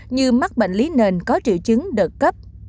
như mắc bệnh lý nền có triệu chứng đợt cấp